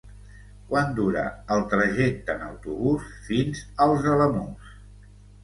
Quant dura el trajecte en autobús fins als Alamús?